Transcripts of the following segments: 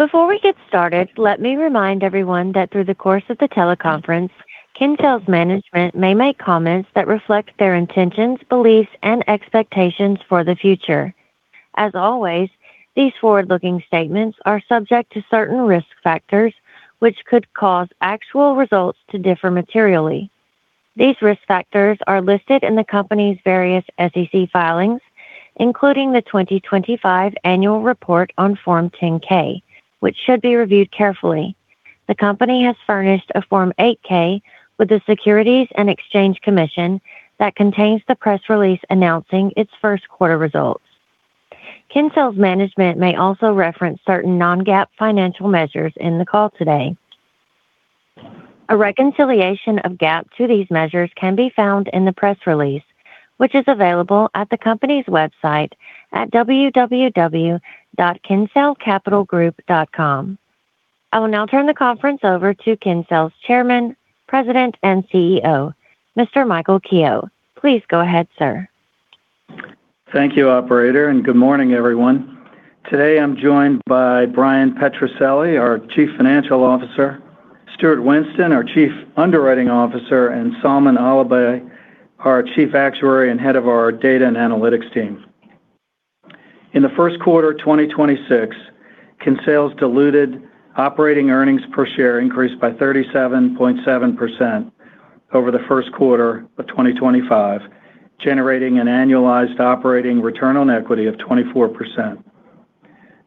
Before we get started, let me remind everyone that through the course of the teleconference, Kinsale's management may make comments that reflect their intentions, beliefs, and expectations for the future. As always, these forward-looking statements are subject to certain risk factors, which could cause actual results to differ materially. These risk factors are listed in the company's various SEC filings, including the 2025 annual report on Form 10-K, which should be reviewed carefully. The company has furnished a Form 8-K with the Securities and Exchange Commission that contains the press release announcing its first quarter results. Kinsale's management may also reference certain non-GAAP financial measures in the call today. A reconciliation of GAAP to these measures can be found in the press release, which is available at the company's website at www.kinsalecapitalgroup.com. I will now turn the conference over to Kinsale's Chairman, President, and CEO, Mr. Michael Kehoe. Please go ahead, sir. Thank you, operator, and good morning, everyone. Today I'm joined by Bryan Petrucelli, our Chief Financial Officer, Stuart Winston, our Chief Underwriting Officer, and Salmaan Allibhai, our Chief Actuary and head of our data and analytics team. In the first quarter 2026, Kinsale's diluted operating earnings per share increased by 37.7% over the first quarter of 2025, generating an annualized operating return on equity of 24%.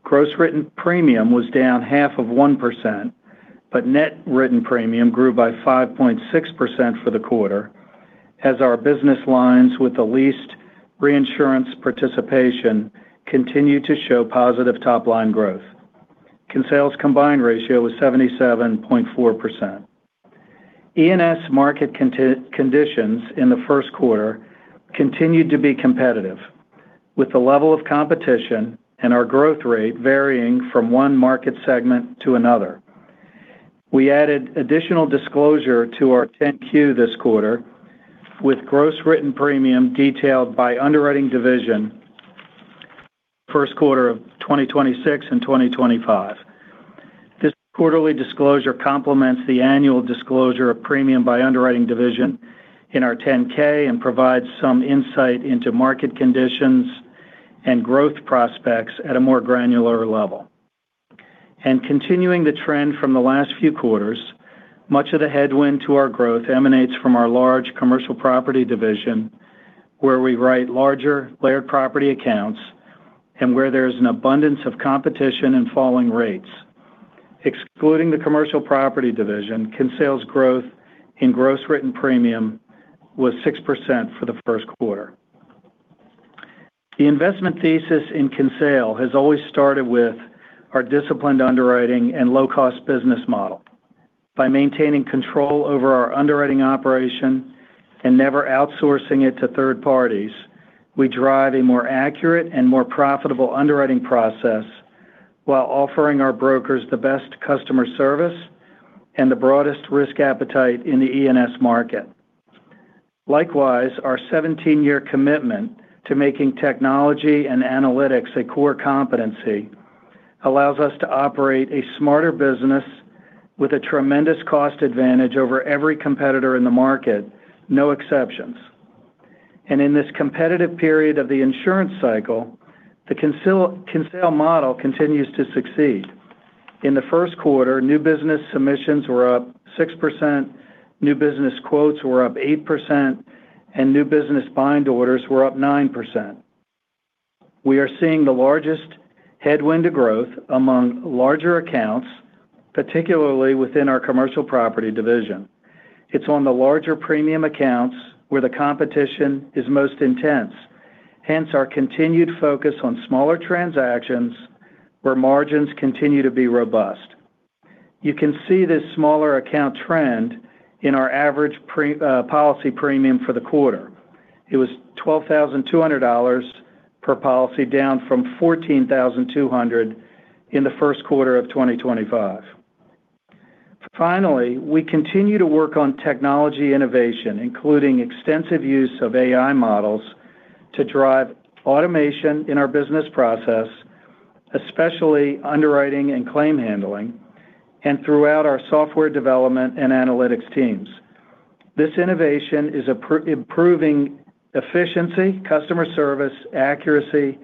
Gross written premium was down half of 1%, but net written premium grew by 5.6% for the quarter, as our business lines with the least reinsurance participation continued to show positive top-line growth. Kinsale's combined ratio was 77.4%. E&S market conditions in the first quarter continued to be competitive, with the level of competition and our growth rate varying from one market segment to another. We added additional disclosure to our 10-Q this quarter with gross written premium detailed by underwriting division first quarter of 2026 and 2025. This quarterly disclosure complements the annual disclosure of premium by underwriting division in our 10-K and provides some insight into market conditions and growth prospects at a more granular level. Continuing the trend from the last few quarters, much of the headwind to our growth emanates from our large commercial property division, where we write larger layered property accounts and where there's an abundance of competition and falling rates. Excluding the commercial property division, Kinsale's growth in gross written premium was 6% for the first quarter. The investment thesis in Kinsale has always started with our disciplined underwriting and low-cost business model. By maintaining control over our underwriting operation and never outsourcing it to third parties, we drive a more accurate and more profitable underwriting process while offering our brokers the best customer service and the broadest risk appetite in the E&S market. Likewise, our 17-year commitment to making technology and analytics a core competency allows us to operate a smarter business with a tremendous cost advantage over every competitor in the market, no exceptions. In this competitive period of the insurance cycle, the Kinsale model continues to succeed. In the first quarter, new business submissions were up 6%, new business quotes were up 8%, and new business bind orders were up 9%. We are seeing the largest headwind to growth among larger accounts, particularly within our commercial property division. It's on the larger premium accounts where the competition is most intense, hence our continued focus on smaller transactions where margins continue to be robust. You can see this smaller account trend in our average policy premium for the quarter. It was $12,200 per policy, down from $14,200 in the first quarter of 2025. Finally, we continue to work on technology innovation, including extensive use of AI models to drive automation in our business process, especially underwriting and claim handling, and throughout our software development and analytics teams. This innovation is improving efficiency, customer service, accuracy,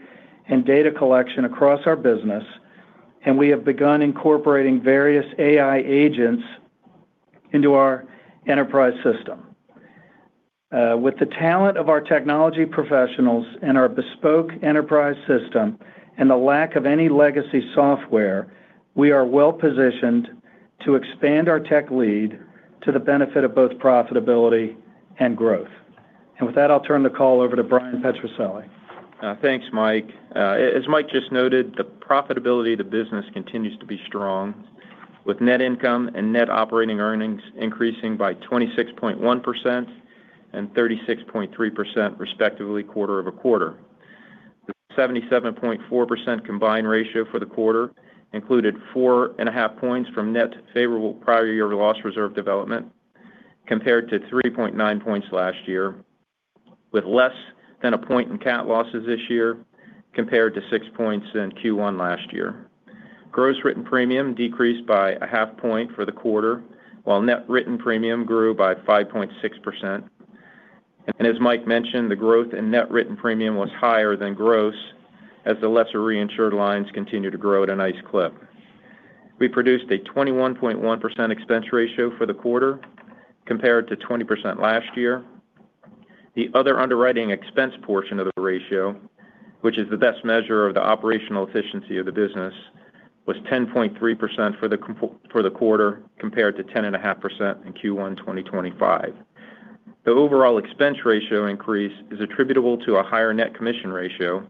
and data collection across our business, and we have begun incorporating various AI agents into our enterprise system. With the talent of our technology professionals and our bespoke enterprise system and the lack of any legacy software, we are well positioned to expand our tech lead to the benefit of both profitability and growth. With that, I'll turn the call over to Bryan Petrucelli. Thanks, Mike. As Mike just noted, the profitability of the business continues to be strong, with net income and net operating earnings increasing by 26.1% and 36.3% respectively quarter-over-quarter. The 77.4% combined ratio for the quarter included 4.5 points from net favorable prior year loss reserve development compared to 3.9 points last year. With less than 1 point in cat losses this year, compared to 6 points in Q1 last year. Gross written premium decreased by 0.5 point for the quarter, while net written premium grew by 5.6%. As Mike mentioned, the growth in net written premium was higher than gross, as the lesser reinsured lines continue to grow at a nice clip. We produced a 21.1% expense ratio for the quarter, compared to 20% last year. The other underwriting expense portion of the ratio, which is the best measure of the operational efficiency of the business, was 10.3% for the quarter, compared to 10.5% in Q1 2024. The overall expense ratio increase is attributable to a higher net commission ratio,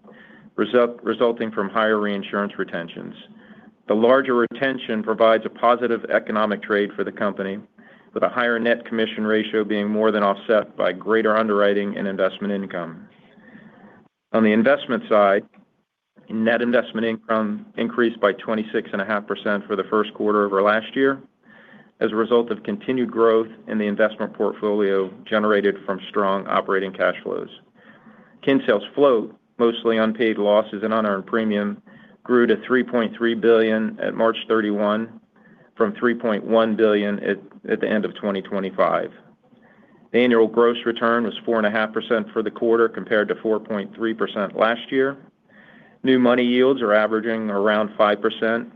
resulting from higher reinsurance retentions. The larger retention provides a positive economic trade for the company, with a higher net commission ratio being more than offset by greater underwriting and investment income. On the investment side, net investment income increased by 26.5% for the first quarter over last year, as a result of continued growth in the investment portfolio generated from strong operating cash flows. Kinsale's float, mostly unpaid losses and unearned premium, grew to $3.3 billion at March 31, from $3.1 billion at the end of 2025. The annual gross return was 4.5% for the quarter, compared to 4.3% last year, New money yields are averaging around 5%,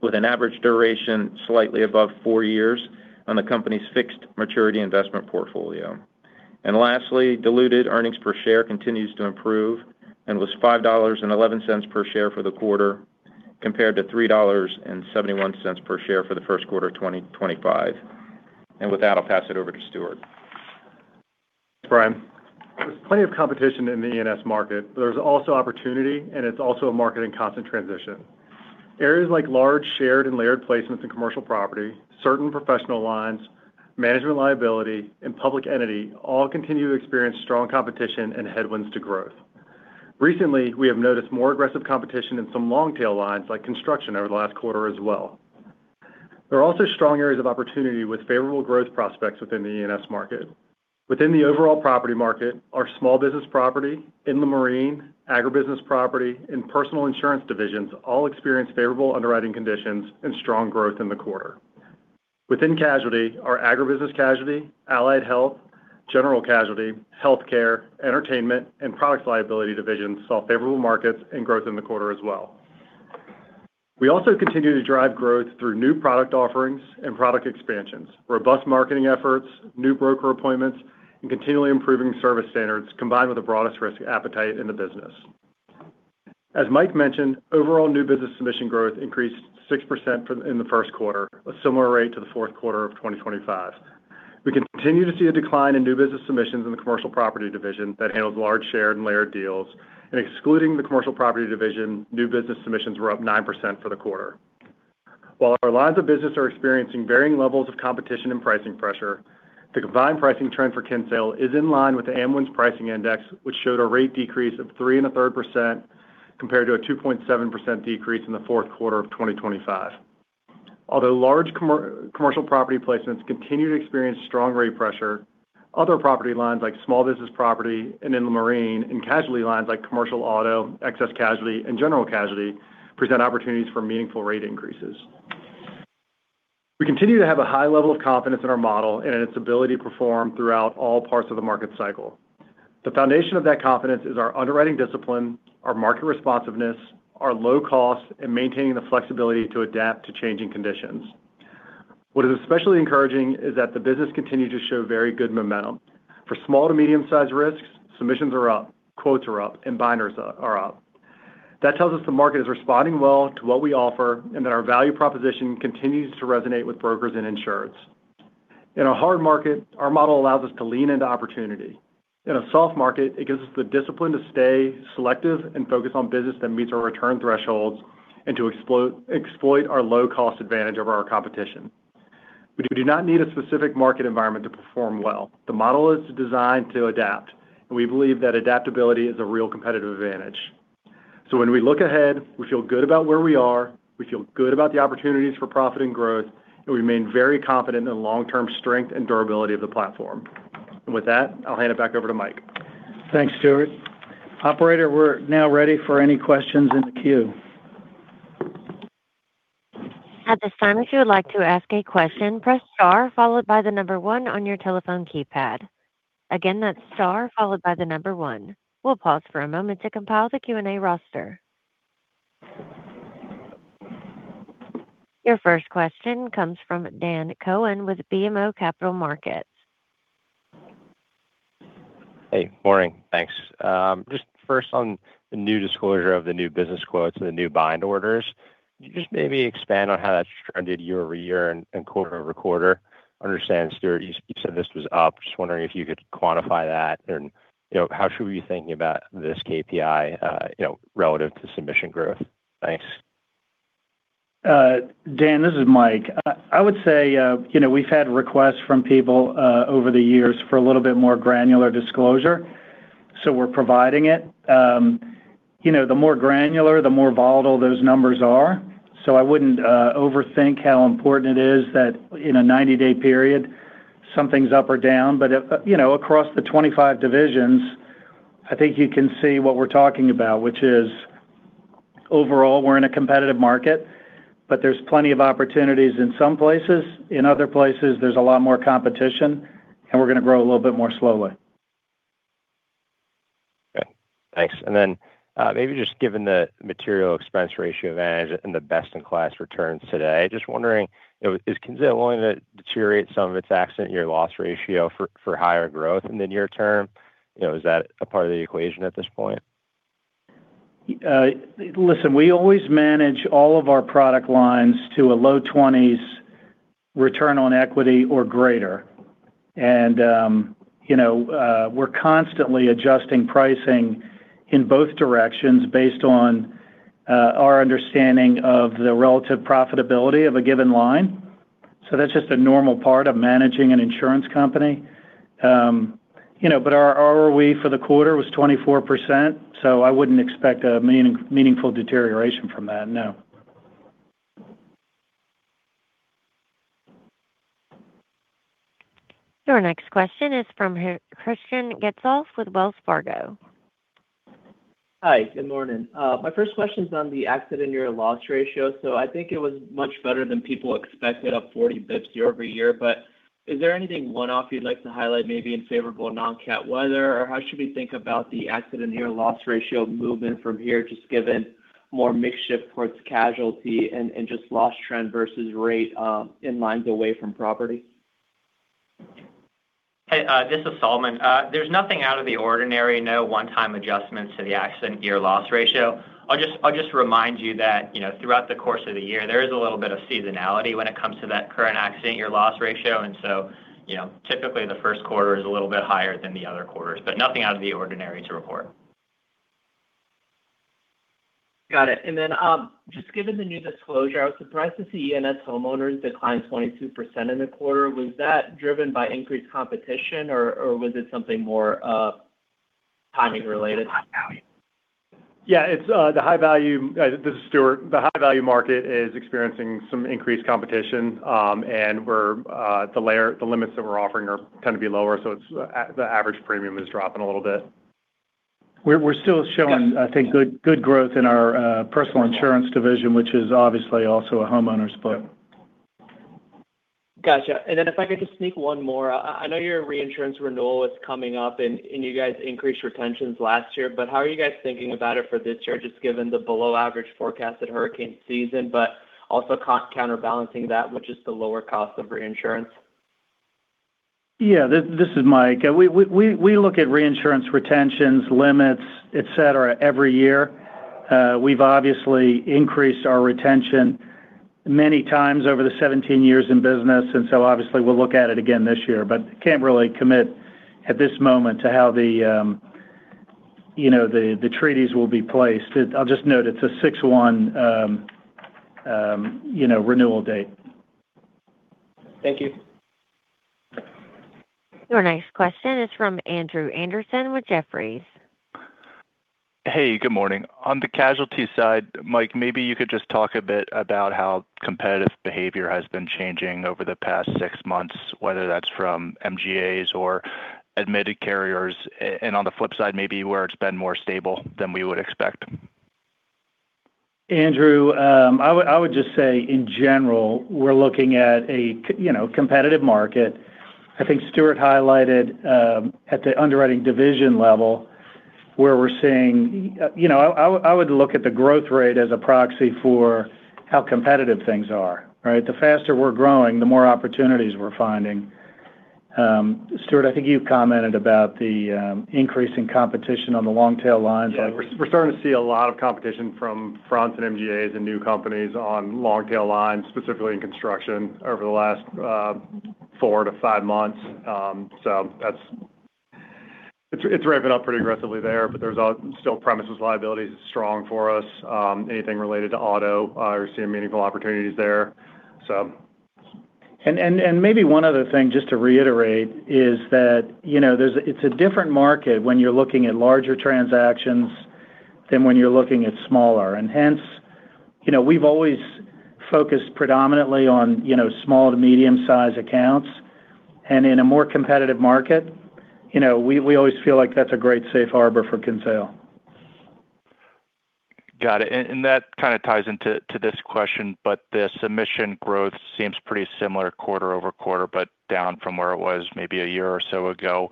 with an average duration slightly above four years on the company's fixed maturity investment portfolio. Lastly, diluted earnings per share continues to improve and was $5.11 per share for the quarter, compared to $3.71 per share for the first quarter of 2025. With that, I'll pass it over to Stuart. Thanks, Bryan. There's plenty of competition in the E&S market. There's also opportunity, and it's also a market in constant transition. Areas like large, shared, and layered placements in commercial property, certain Professional Lines, Management Liability, and Public Entity all continue to experience strong competition and headwinds to growth. Recently, we have noticed more aggressive competition in some long-tail lines like Construction over the last quarter as well. There are also strong areas of opportunity with favorable growth prospects within the E&S market. Within the overall property market are Small Business Property in the Ocean Marine, Agribusiness Property, and Personal Insurance divisions all experienced favorable underwriting conditions and strong growth in the quarter. Within casualty, our Agribusiness Casualty, Allied Health, General Casualty, Health Care, Entertainment, and Products Liability divisions saw favorable markets and growth in the quarter as well. We also continue to drive growth through new product offerings and product expansions, robust marketing efforts, new broker appointments, and continually improving service standards, combined with the broadest risk appetite in the business. As Mike mentioned, overall new business submission growth increased 6% in the first quarter, a similar rate to the fourth quarter of 2025. We continue to see a decline in new business submissions in the commercial property division that handles large, shared, and layered deals. Excluding the commercial property division, new business submissions were up 9% for the quarter. While our lines of business are experiencing varying levels of competition and pricing pressure, the combined pricing trend for Kinsale is in line with the Amwins Pricing Index, which showed a rate decrease of 3.3% compared to a 2.7% decrease in the fourth quarter of 2025. Although large commercial property placements continue to experience strong rate pressure, other property lines like small business property, and in the Ocean Marine and casualty lines like Commercial Auto, Excess Casualty, and General Casualty present opportunities for meaningful rate increases. We continue to have a high level of confidence in our model and in its ability to perform throughout all parts of the market cycle. The foundation of that confidence is our underwriting discipline, our market responsiveness, our low cost, and maintaining the flexibility to adapt to changing conditions. What is especially encouraging is that the business continued to show very good momentum. For small to medium-sized risks, submissions are up, quotes are up, and binders are up. That tells us the market is responding well to what we offer and that our value proposition continues to resonate with brokers and insureds. In a hard market, our model allows us to lean into opportunity. In a soft market, it gives us the discipline to stay selective and focused on business that meets our return thresholds and to exploit our low-cost advantage over our competition. We do not need a specific market environment to perform well. The model is designed to adapt, and we believe that adaptability is a real competitive advantage. When we look ahead, we feel good about where we are, we feel good about the opportunities for profit and growth, and we remain very confident in the long-term strength and durability of the platform. With that, I'll hand it back over to Mike. Thanks, Stuart. Operator, we're now ready for any questions in the queue. At this time, if you like to ask a question, press star followed by the number one on your telephone keypad. Again, that's star followed by the number one. We'll pause for a moment to compile the Q&A roster. Your first question comes from Daniel Cohen with BMO Capital Markets. Hey, morning. Thanks. Just first on the new disclosure of the new business quotes and the new bind orders. Can you just maybe expand on how that's trended year over year and quarter over quarter? I understand, Stuart, you said this was up. Just wondering if you could quantify that and how should we be thinking about this KPI relative to submission growth? Thanks. Dan, this is Mike. I would say we've had requests from people over the years for a little bit more granular disclosure. We're providing it. You know, the more granular, the more volatile those numbers are. I wouldn't overthink how important it is that in a 90-day period, something's up or down. Across the 25 divisions, I think you can see what we're talking about, which is, overall, we're in a competitive market, but there's plenty of opportunities in some places. In other places, there's a lot more competition, and we're going to grow a little bit more slowly. Okay, thanks. Maybe just given the material expense ratio advantage and the best-in-class returns today, just wondering, is Kinsale willing to deteriorate some of its accident year loss ratio for higher growth in the near term? Is that a part of the equation at this point? Listen, we always manage all of our product lines to a low 20s return on equity or greater. We're constantly adjusting pricing in both directions based on our understanding of the relative profitability of a given line. That's just a normal part of managing an insurance company. Our ROE for the quarter was 24%, so I wouldn't expect a meaningful deterioration from that, no. Your next question is from Hristian Getsov with Wells Fargo. Hi, good morning. My first question's on the accident year loss ratio. I think it was much better than people expected, up 40 basis points year-over-year, but is there anything one-off you'd like to highlight, maybe in favorable non-cat weather? Or how should we think about the accident year loss ratio movement from here, just given more mix shift towards casualty and just loss trend versus rate in lines away from property? Hey, this is Salmaan. There's nothing out of the ordinary. No one-time adjustments to the accident year loss ratio. I'll just remind you that, throughout the course of the year, there is a little bit of seasonality when it comes to that current accident year loss ratio. Typically, the first quarter is a little bit higher than the other quarters, but nothing out of the ordinary to report. Got it. Just given the new disclosure, I was surprised to see E&S Homeowners decline 22% in the quarter. Was that driven by increased competition, or was it something more timing related? Yeah. This is Stuart. The high-value market is experiencing some increased competition. The limits that we're offering are going to be lower, so the average premium is dropping a little bit. We're still showing, I think, good growth in our Personal Insurance division, which is obviously also a homeowners book. Got you. If I could just sneak one more. I know your reinsurance renewal is coming up, and you guys increased retentions last year, but how are you guys thinking about it for this year, just given the below average forecasted hurricane season, but also counterbalancing that with just the lower cost of reinsurance? Yeah. This is Mike. We look at reinsurance retentions, limits, et cetera, every year. We've obviously increased our retention many times over the 17 years in business, and so obviously we'll look at it again this year. Can't really commit at this moment to how the treaties will be placed. I'll just note it's a 6/1 renewal date. Thank you. Your next question is from Andrew Andersen with Jefferies. Hey, good morning. On the casualty side, Mike, maybe you could just talk a bit about how competitive behavior has been changing over the past six months, whether that's from MGAs or admitted carriers. On the flip side, maybe where it's been more stable than we would expect. Andrew, I would just say, in general, we're looking at a competitive market. I think Stuart highlighted at the underwriting division level, where we're seeing, I would look at the growth rate as a proxy for how competitive things are, right? The faster we're growing, the more opportunities we're finding. Stuart, I think you commented about the increase in competition on the long-tail lines. We're starting to see a lot of competition from fronts and MGAs and new companies on long-tail lines, specifically in construction, over the last four-five months. It's revving up pretty aggressively there, but there's still premises liabilities is strong for us. Anything related to auto, we're seeing meaningful opportunities there. Maybe one other thing, just to reiterate, is that it's a different market when you're looking at larger transactions than when you're looking at smaller. Hence, we've always focused predominantly on small to medium-size accounts. In a more competitive market, we always feel like that's a great safe harbor for Kinsale. Got it. That kind of ties into this question, but the submission growth seems pretty similar quarter-over-quarter, but down from where it was maybe a year or so ago.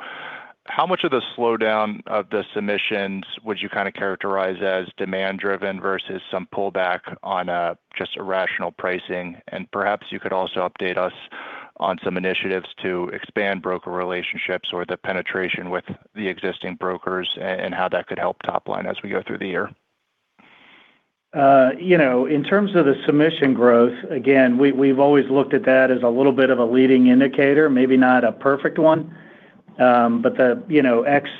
How much of the slowdown of the submissions would you characterize as demand driven versus some pullback on just irrational pricing? Perhaps you could also update us on some initiatives to expand broker relationships or the penetration with the existing brokers, and how that could help top line as we go through the year. In terms of the submission growth, again, we've always looked at that as a little bit of a leading indicator, maybe not a perfect one. The ex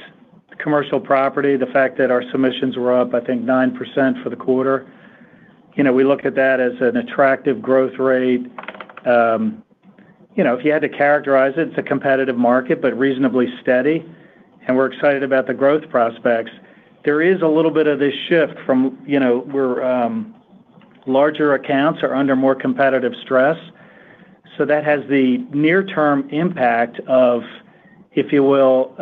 commercial property, the fact that our submissions were up, I think, 9% for the quarter. We look at that as an attractive growth rate. If you had to characterize it's a competitive market, but reasonably steady, and we're excited about the growth prospects. There is a little bit of this shift from where larger accounts are under more competitive stress. That has the near term impact of, if you will,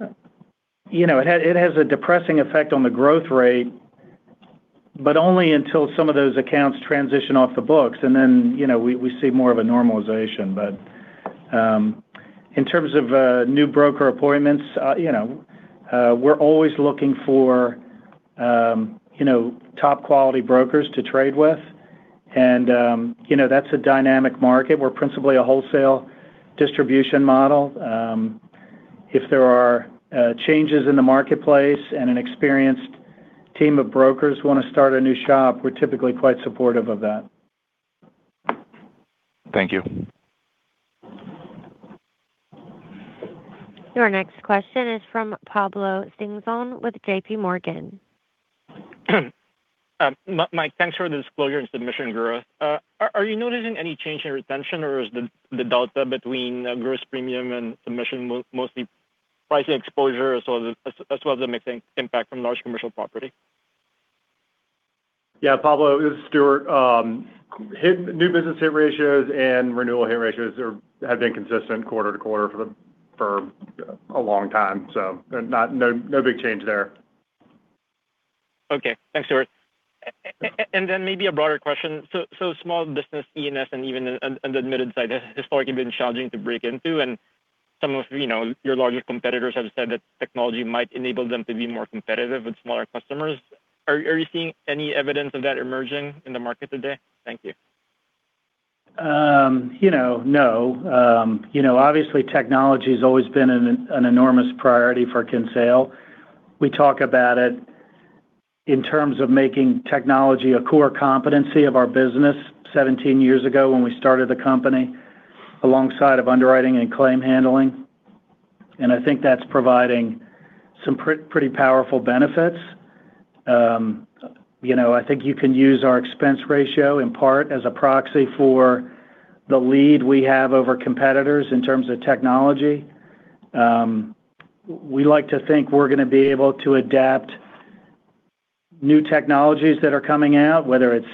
it has a depressing effect on the growth rate, but only until some of those accounts transition off the books, and then we see more of a normalization. In terms of new broker appointments, we're always looking for top quality brokers to trade with, and that's a dynamic market. We're principally a wholesale distribution model. If there are changes in the marketplace and an experienced team of brokers want to start a new shop, we're typically quite supportive of that. Thank you. Your next question is from Pablo Singzon with JPMorgan. Mike, thanks for the disclosure into the submission growth. Are you noticing any change in retention, or is the delta between gross premium and submission mostly pricing exposure as well as the mix impact from large commercial property? Yeah, Pablo, this is Stuart. New business hit ratios and renewal hit ratios have been consistent quarter to quarter for a long time. No big change there. Okay. Thanks, Stuart. Maybe a broader question. Small business E&S and even an admitted side has historically been challenging to break into, and some of your larger competitors have said that technology might enable them to be more competitive with smaller customers. Are you seeing any evidence of that emerging in the market today? Thank you. No. Obviously, technology's always been an enormous priority for Kinsale. We talk about it in terms of making technology a core competency of our business 17 years ago when we started the company, alongside of underwriting and claim handling, and I think that's providing some pretty powerful benefits. I think you can use our expense ratio in part as a proxy for the lead we have over competitors in terms of technology. We like to think we're going to be able to adapt new technologies that are coming out, whether it's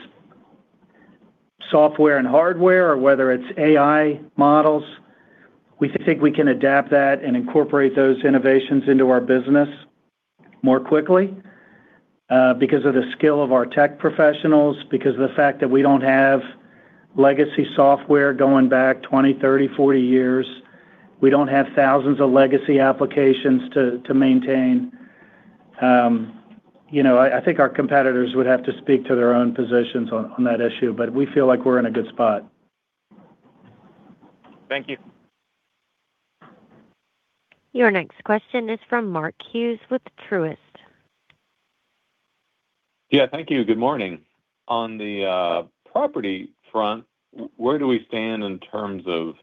software and hardware or whether it's AI models. We think we can adapt that and incorporate those innovations into our business more quickly because of the skill of our tech professionals, because of the fact that we don't have legacy software going back 20, 30, 40 years. We don't have thousands of legacy applications to maintain. I think our competitors would have to speak to their own positions on that issue, but we feel like we're in a good spot. Thank you. Your next question is from Mark Hughes with Truist. Yeah. Thank you. Good morning. On the property front, where do we stand in terms of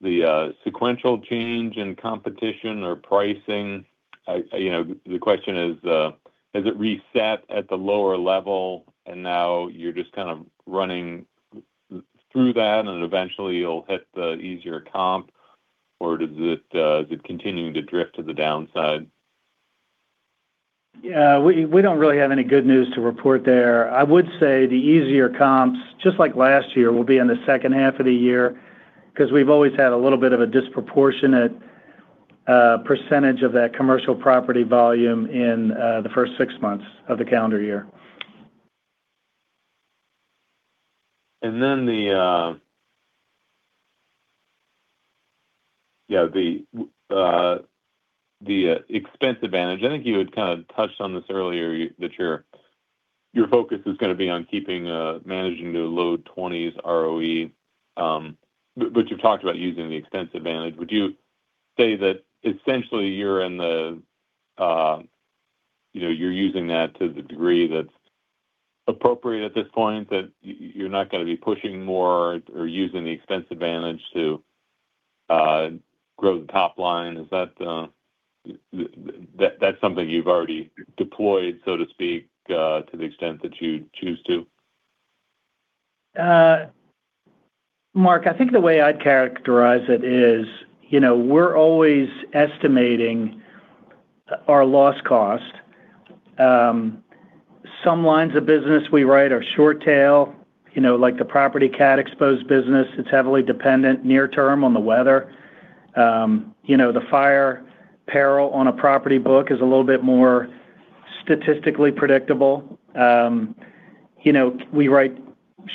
the sequential change in competition or pricing? The question is has it reset at the lower level, and now you're just kind of running through that, and then eventually you'll hit the easier comp, or is it continuing to drift to the downside? Yeah. We don't really have any good news to report there. I would say the easier comps, just like last year, will be in the second half of the year because we've always had a little bit of a disproportionate percentage of that commercial property volume in the first six months of the calendar year. The expense advantage, I think you had kind of touched on this earlier, that your focus is going to be on keeping, managing the low 20s ROE, but you've talked about using the expense advantage. Would you say that essentially you're using that to the degree that's appropriate at this point, that you're not going to be pushing more or using the expense advantage to grow the top line? That's something you've already deployed, so to speak, to the extent that you choose to? Mark, I think the way I'd characterize it is, we're always estimating our loss cost. Some lines of business we write are short tail. Like the property cat exposed business, it's heavily dependent near term on the weather. The fire peril on a property book is a little bit more statistically predictable. We write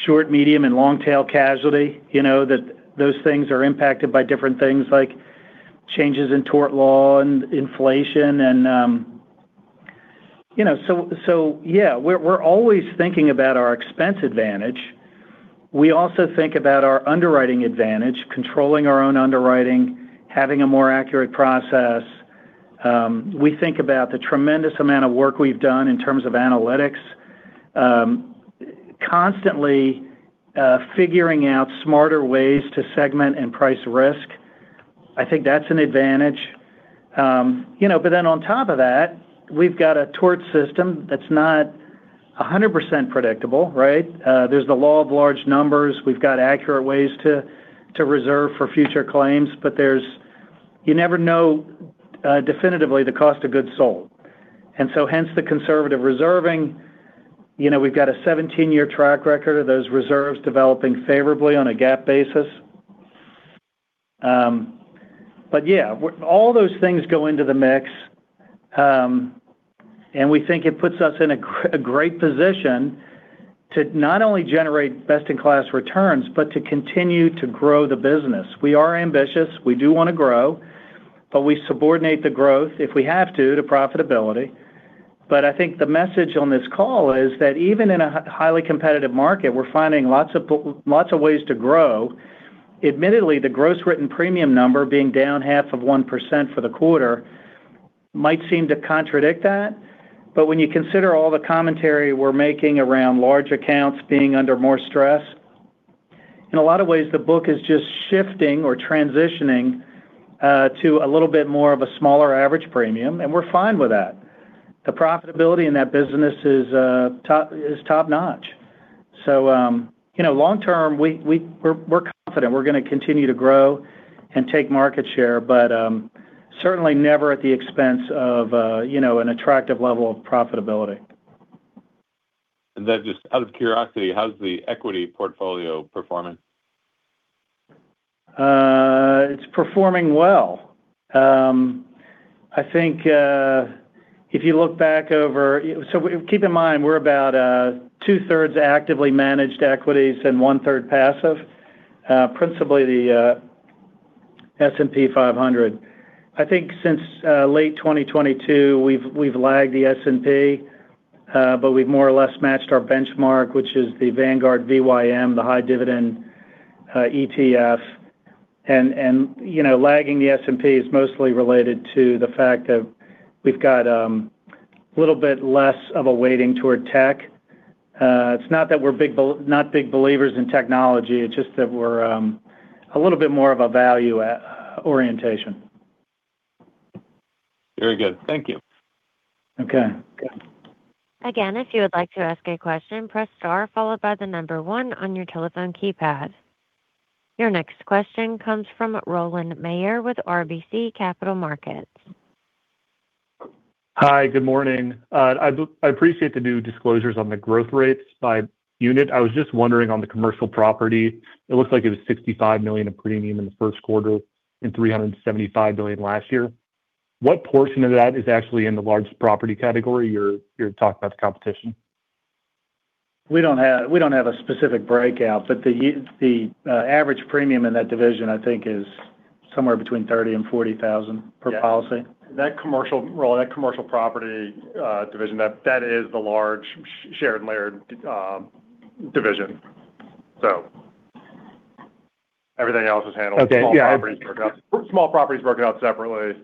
short, medium, and long tail casualty. Those things are impacted by different things like changes in tort law and inflation. Yeah, we're always thinking about our expense advantage. We also think about our underwriting advantage, controlling our own underwriting, having a more accurate process. We think about the tremendous amount of work we've done in terms of analytics. Constantly figuring out smarter ways to segment and price risk. I think that's an advantage. Then on top of that, we've got a tort system that's not 100% predictable, right? There's the law of large numbers. We've got accurate ways to reserve for future claims, but you never know definitively the cost of goods sold, and so hence the conservative reserving. We've got a 17-year track record of those reserves developing favorably on a GAAP basis. Yeah, all those things go into the mix, and we think it puts us in a great position to not only generate best-in-class returns, but to continue to grow the business. We are ambitious. We do want to grow, but we subordinate the growth, if we have to profitability. I think the message on this call is that even in a highly competitive market, we're finding lots of ways to grow. Admittedly, the gross written premium number being down 0.5% for the quarter might seem to contradict that, but when you consider all the commentary we're making around large accounts being under more stress, in a lot of ways, the book is just shifting or transitioning to a little bit more of a smaller average premium, and we're fine with that. The profitability in that business is top-notch. Long term, we're confident we're going to continue to grow and take market share, but certainly never at the expense of an attractive level of profitability. Just out of curiosity, how's the equity portfolio performing? It's performing well. Keep in mind, we're about 2/3 actively managed equities and 1/3 passive. Principally, the S&P 500. I think since late 2022, we've lagged the S&P, but we've more or less matched our benchmark, which is the Vanguard VYM, the high-dividend ETF. Lagging the S&P is mostly related to the fact that we've got little bit less of a weighting toward tech. It's not that we're not big believers in technology, it's just that we're a little bit more of a value orientation. Very good. Thank you. Okay. Again, if you would like to ask a question, press star followed by the number one on your telephone keypad. Your next question comes from Rowland Mayor with RBC Capital Markets. Hi, good morning. I appreciate the new disclosures on the growth rates by unit. I was just wondering on the commercial property, it looks like it was $65 million of premium in the first quarter and $375 million last year. What portion of that is actually in the large property category you're talking about the competition? We don't have a specific breakout, but the average premium in that division, I think, is somewhere between $30,000-$40,000 per policy. Rowland, that commercial property division, that is the large shared and layered division. Everything else is handled. Okay. Yeah. Small properties broken out separately.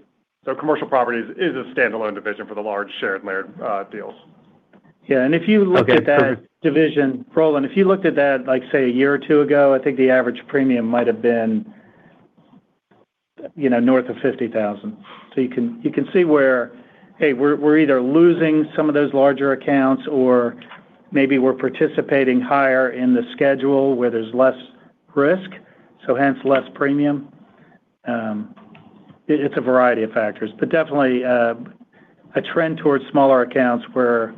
Commercial property is a standalone division for the large shared layered deals. Okay. Perfect. Rowland, if you looked at that, say, a year or two ago, I think the average premium might have been north of $50,000. You can see where, hey, we're either losing some of those larger accounts or maybe we're participating higher in the schedule where there's less risk, so hence less premium. It's a variety of factors, but definitely a trend towards smaller accounts where,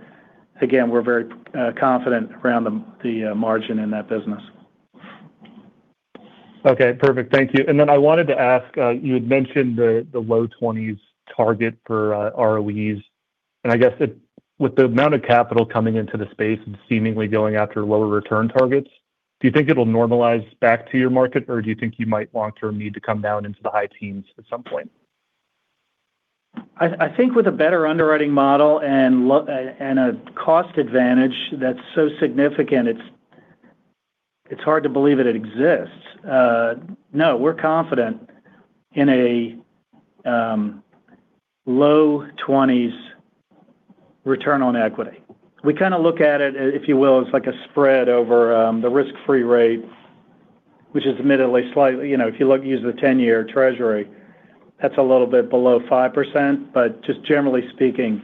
again, we're very confident around the margin in that business. Okay, perfect. Thank you. I wanted to ask, you had mentioned the low 20s target for ROEs, and I guess with the amount of capital coming into the space and seemingly going after lower return targets, do you think it'll normalize back to your market, or do you think you might long-term need to come down into the high teens at some point? I think with a better underwriting model and a cost advantage that's so significant, it's hard to believe that it exists. No, we're confident in a low 20s return on equity. We kind of look at it, if you will, as like a spread over the risk-free rate, which is admittedly slightly, if you use the 10-year treasury, that's a little bit below 5%. Just generally speaking,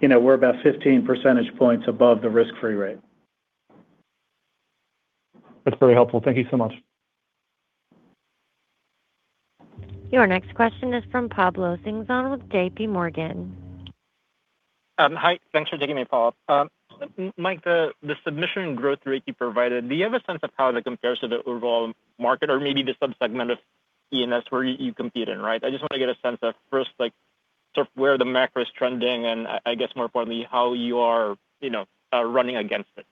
we're about 15 percentage points above the risk-free rate. That's very helpful. Thank you so much. Your next question is from Pablo Singzon with JPMorgan. Hi. Thanks for taking my call. Mike, the submission growth rate you provided, do you have a sense of how that compares to the overall market or maybe the sub-segment of E&S where you compete in, right? I just want to get a sense of, first, where the macro is trending, and I guess more importantly, how you are running against it.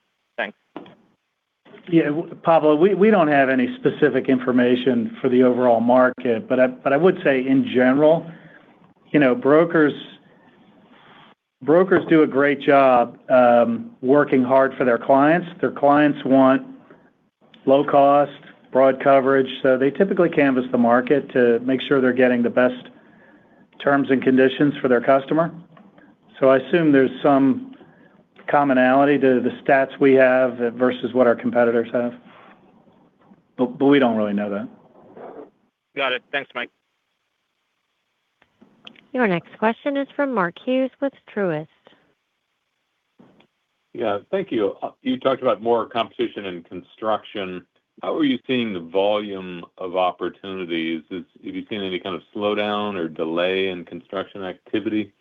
Thanks. Yeah, Pablo, we don't have any specific information for the overall market, but I would say in general, brokers do a great job working hard for their clients. Their clients want low cost, broad coverage. They typically canvass the market to make sure they're getting the best terms and conditions for their customer. I assume there's some commonality to the stats we have versus what our competitors have. But we don't really know that. Got it. Thanks, Mike. Your next question is from Mark Hughes with Truist. Yeah, thank you. You talked about more competition in construction. How are you seeing the volume of opportunities? Have you seen any kind of slowdown or delay in construction activity?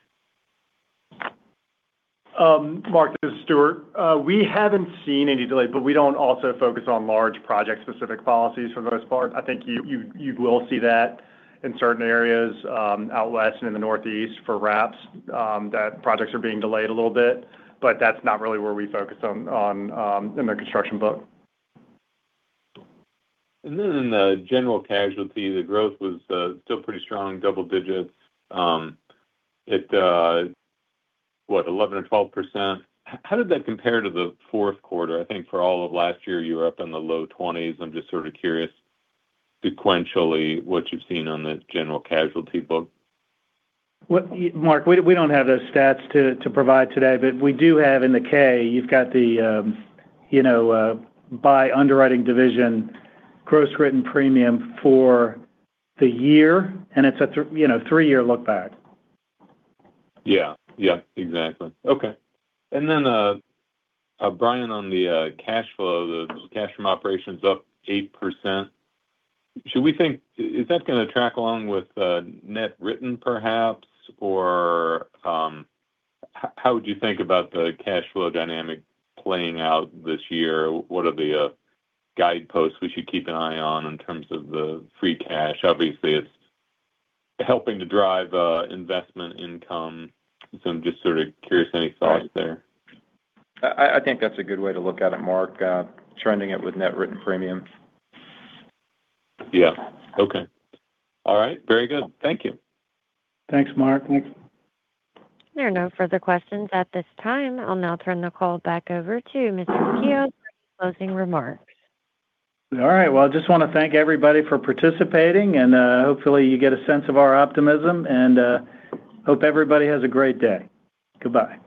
Mark, this is Stuart. We haven't seen any delay, but we don't also focus on large project-specific policies for the most part. I think you will see that in certain areas, out west and in the northeast for wraps, that projects are being delayed a little bit. That's not really where we focus in the construction book. In the general casualty, the growth was still pretty strong, double digits. It, what, 11% or 12%? How did that compare to the fourth quarter? I think for all of last year, you were up in the low 20s. I'm just sort of curious sequentially what you've seen on the general casualty book. Mark, we don't have those stats to provide today, but we do have in the [10-K]. You've got the by underwriting division gross written premium for the year, and it's a three-year look back. Yeah. Exactly. Okay. Bryan, on the cash flow, the cash from operations up 8%. Is that going to track along with net written perhaps, or how would you think about the cash flow dynamic playing out this year? What are the guideposts we should keep an eye on in terms of the free cash? Obviously, it's helping to drive investment income. I'm just sort of curious any thoughts there. I think that's a good way to look at it, Mark, trending it with net written premium. Yeah. Okay. All right, very good. Thank you. Thanks, Mark. Next. There are no further questions at this time. I'll now turn the call back over to Mr. Kehoe for any closing remarks. All right. Well, I just want to thank everybody for participating, and hopefully you get a sense of our optimism, and hope everybody has a great day. Goodbye.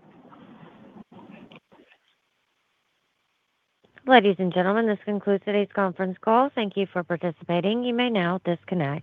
Ladies and gentlemen, this concludes today's conference call. Thank you for participating. You may now disconnect.